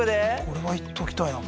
これは行っときたいな。